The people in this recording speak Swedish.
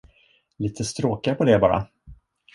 Lite stråkar på det, bara!